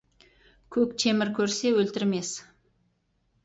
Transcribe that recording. Көк темір көрсе, өлтірмес.